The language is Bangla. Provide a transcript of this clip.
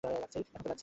এখন তো লাগছেই।